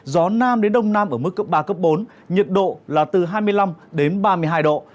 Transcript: gió nam đến đông nam ở mức cấp ba cấp bốn nhiệt độ là từ hai mươi năm đến ba mươi hai độ